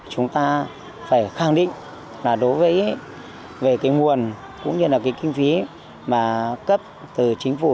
chúng ta phải khẳng định là đối với về cái nguồn cũng như là cái kinh phí mà cấp từ chính phủ